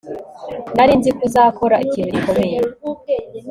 Nari nzi ko uzakora ikintu gikomeye